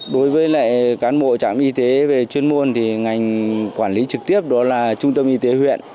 đối với lại cán bộ trạm y tế về chuyên môn thì ngành quản lý trực tiếp đó là trung tâm y tế huyện